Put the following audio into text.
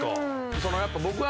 そのやっぱ僕は。